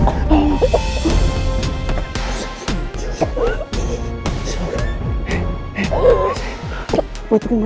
aku justru evaluasi siap siap lana saya